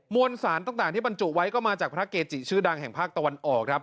วนสารต่างที่บรรจุไว้ก็มาจากพระเกจิชื่อดังแห่งภาคตะวันออกครับ